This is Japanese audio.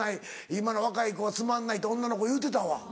今の若い子はつまんないって女の子言うてたわ。